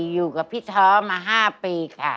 อยู่กับพี่ท้อมา๕ปีค่ะ